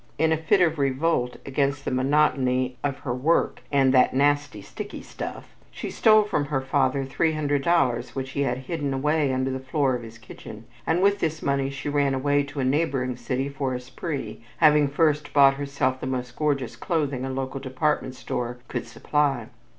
In a fit of revolt against the monotony of her work, and "that nasty sticky stuff," she stole from her father $300 which he had hidden away under the floor of his kitchen, and with this money she ran away to a neighboring city for a spree, having first bought herself the most gorgeous clothing a local department store could supply.